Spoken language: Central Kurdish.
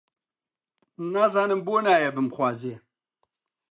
نازانم بۆ نایە بمخوازێ؟